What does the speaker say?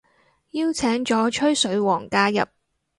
邀請咗吹水王加入